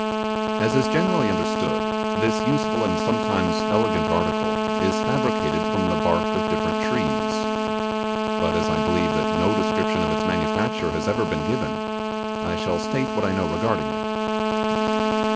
As is generally understood, this useful and sometimes elegant article is fabricated from the bark of different trees. But, as I believe that no description of its manufacture has ever been given, I shall state what I know regarding it.